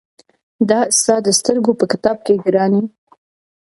دا ستا د سترګو په كتاب كي ګراني !